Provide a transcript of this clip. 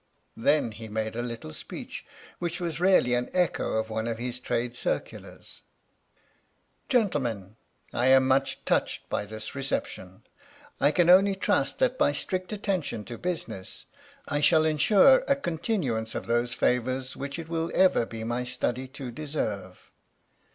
Then he made a little speech, which was really an echo of one of his trade circulars. " Gentlemen, I am much touched by this reception. 13 THE STORY OF THE MIKADO I can only trust that by strict attention to business I shall ensure a continuance of those favours which it will ever be my study to deserve.